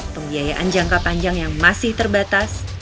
pembiayaan jangka panjang yang masih terbatas